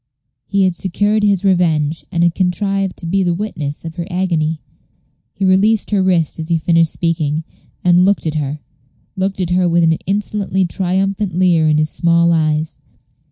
He had secured his revenge, and had contrived to be the witness of her agony. He released her wrist as he finished speaking, and looked at her looked at her with an insolently triumphant leer in his small eyes.